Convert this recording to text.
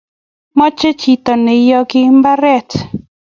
mache chiton ne yake imbaret